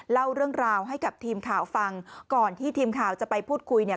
เล่าเรื่องราวให้กับทีมข่าวฟังก่อนที่ทีมข่าวจะไปพูดคุยเนี่ย